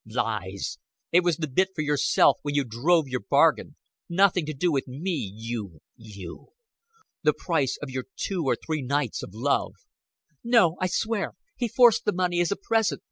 "Lies! It was the bit for yourself when you drove your bargain nothing to do with me you you. The price of your two or three nights of love." "No, I swear. He forced the money as a present.